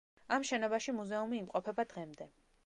ამ შენობაში მუზეუმი იმყოფება დღემდე.